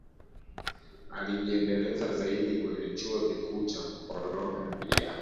alijiendeleza zaidi kwenye chuo Kikuu cha colombia